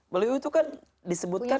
melayu itu kan disebutkan